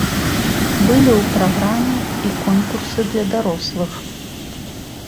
Былі ў праграме і конкурсы для дарослых.